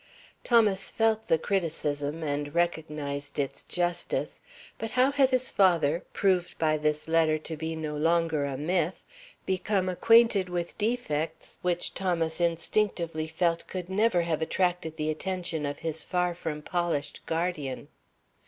Thomas felt the criticism and recognized its justice; but how had his father, proved by his letter to be no longer a myth, become acquainted with defects which Thomas instinctively felt could never have attracted the attention of his far from polished guardian?